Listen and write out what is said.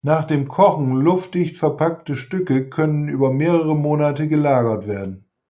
Nach dem Kochen luftdicht verpackte Stücke können über mehrere Monate gelagert werden.